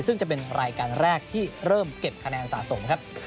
ซึ่งจะเป็นรายการแรกที่เริ่มเก็บคะแนนสะสมครับ